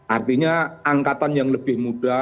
artinya angkatan yang lebih muda